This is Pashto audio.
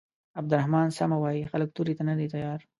عبدالرحمن سمه وايي خلک تورې ته نه دي تيار.